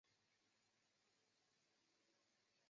现在要完全颠倒过来。